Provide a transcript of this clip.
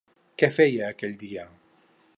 Què feien aquell dia?